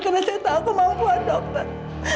karena saya tak kemampuan dokter